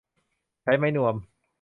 ใช้ไม้นวม